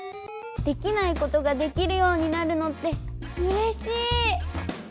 できないことができるようになるのってうれしい！